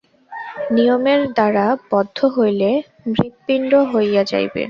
নিয়মের দ্বারা বদ্ধ হইলে মৃৎপিণ্ড হইয়া যাইবে।